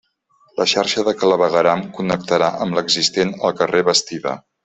La xarxa de clavegueram connectarà amb l'existent al carrer Bastida.